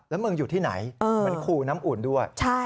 แล้วมึงอยู่ที่ไหนเหมือนขู่น้ำอุ่นด้วย